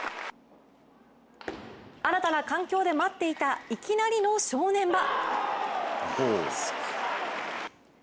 新たな環境で待っていたいきなりの正念場。